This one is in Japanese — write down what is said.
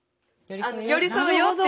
寄り添うよって。